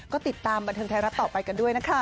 ก็ติดตามบันเทิงไทยรัฐต่อไปกันด้วยนะคะ